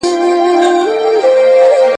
دوی د آزادۍ لپاره ډېرې قربانۍ ورکړې دي.